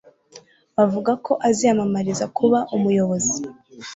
Bavuga ko aziyamamariza kuba umuyobozi.